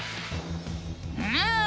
うん！